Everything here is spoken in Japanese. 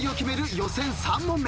予選３問目。